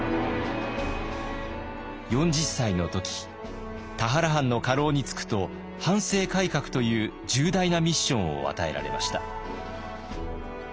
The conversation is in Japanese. ４０歳の時田原藩の家老に就くと藩政改革という重大なミッションを与えられました。